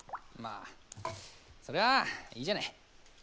まあそれはいいじゃない。